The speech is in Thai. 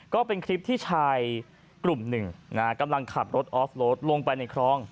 ก็เป็นคลิปที่ชายกลุ่มนึงนะฮะ